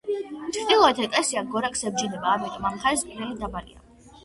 ჩრდილოეთით ეკლესია გორაკს ებჯინება, ამიტომ ამ მხარეს კედელი დაბალია.